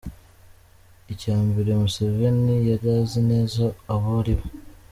Icya mbere, Museveni yari azi neza abo aribo.